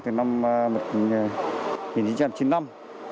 từ năm một nghìn chín trăm chín mươi năm